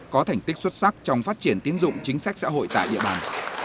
có thành tích xuất sắc trong phát triển tiến dụng chính sách xã hội tại địa bàn